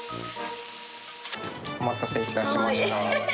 お待たせいたしました。